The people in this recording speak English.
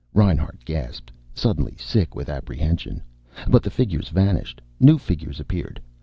Reinhart gasped, suddenly sick with apprehension. But the figures vanished. New figures appeared.